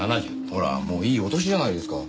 ほらもういいお年じゃないですか。